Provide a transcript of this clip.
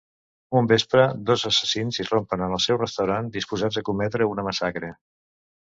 Un vespre, dos assassins irrompen en el seu restaurant, disposats a cometre una massacre.